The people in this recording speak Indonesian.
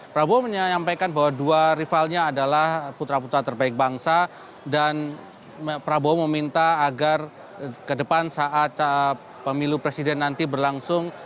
prabowo menyampaikan bahwa dua rivalnya adalah putra putra terbaik bangsa dan prabowo meminta agar ke depan saat pemilu presiden nanti berlangsung